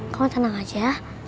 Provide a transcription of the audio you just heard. kamu tenang saja